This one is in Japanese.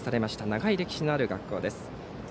長い歴史のある学校です。